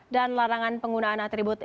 dan larangan penggunaan atribut